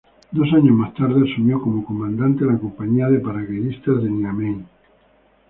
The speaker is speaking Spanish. Dos años más tarde, asumió como comandante de la compañía de paracaidistas de Niamey.